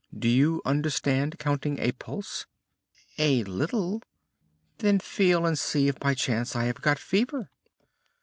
Do you understand counting a pulse?" "A little." "Then feel and see if by chance I have got fever."